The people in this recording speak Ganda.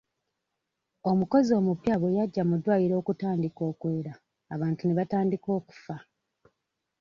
Omukozi omupya bwe yajja mu ddwaliro okutandika okwera abantu ne batandika okufa.